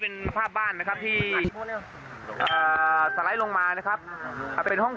เป็นภาพบ้านนะครับที่สไลด์ลงมานะครับเป็นห้อง